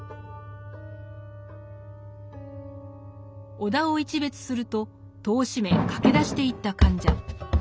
尾田を一瞥すると戸を閉め駆け出していった患者。